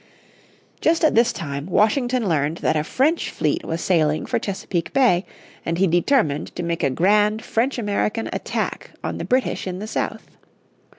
Just at this time Washington learned that a French fleet was sailing for Chesapeake Bay, and he determined to make a grand French American attack on the British in the south.